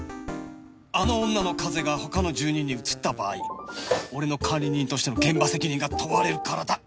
あの女の風邪が他の住人にうつった場合俺の管理人としての現場責任が問われるからだ！